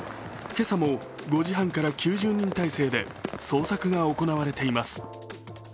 今朝も５時半から９０人態勢で捜索が行われています。